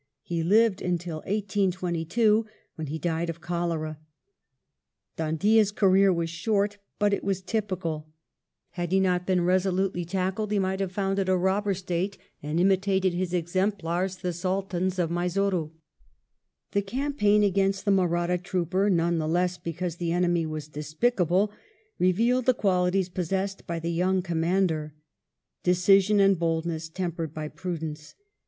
He lived until 1822, when he died of cholera. Dhoondiah's career was short, but it was typical Had he not been resolutely tackled he might have founded a robber state, and imitated his exemplars, the Sultans of Mysore The campaign against the Mahratta trooper, none the less because the enemy was "despicable,'' revealed the qualities possessed by the young commander — decision and boldness tempered by prudence.